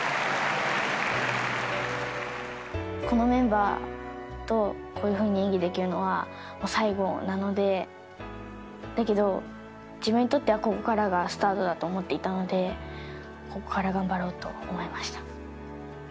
このメンバーとこういうふうに演技できるのはもう最後なので、だけど、自分にとってはここからがスタートだと思っていたので、ここから頑張ろうと思いました。